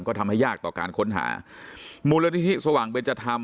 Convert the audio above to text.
ก็ทำให้ยากต่อการค้นหามูลเวลาที่ที่สว่างเบรจธรรม